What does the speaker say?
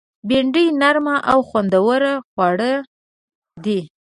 بېنډۍ نرم او خوندور خواړه دي